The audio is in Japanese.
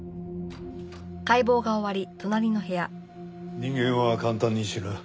人間は簡単に死ぬ。